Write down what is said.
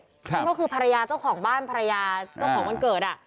ซึ่งก็คือภรรยาเจ้าของบ้านภรรยาเจ้าของวันเกิด